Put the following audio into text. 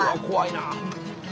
怖いな。